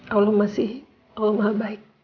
allah masih allah maha baik